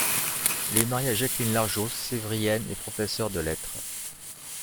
Il est marié à Jacqueline Largeault, Sèvrienne et professeur de lettres.